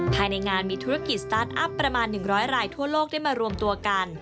ภายในงานมีธุรกิจสตาร์ทอัพประมาณ๑๐๐รายทั่วโลกได้มารวมตัวกัน